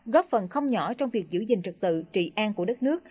góp phần không nhỏ trong việc giữ gìn trực tự trị an của đất nước